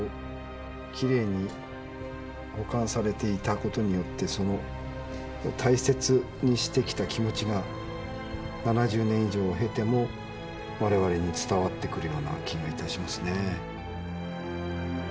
きれいに保管されていた事によってその大切にしてきた気持ちが７０年以上を経ても我々に伝わってくるような気がいたしますね。